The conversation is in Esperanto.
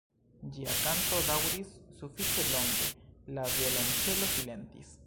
Ĝia kanto daŭris sufiĉe longe, la violonĉelo silentis.